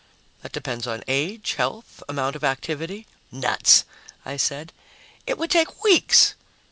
"That depends on age, health, amount of activity " "Nuts!" I said. "It would take weeks!"